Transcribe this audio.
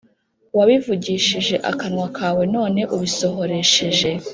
Wabivugishije akanwa kawe none ubisohoresheje